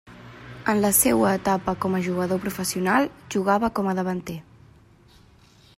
En la seua etapa com a jugador professional jugava com a davanter.